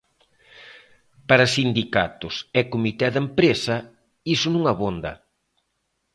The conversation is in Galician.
Para sindicatos e comité de empresa iso non abonda.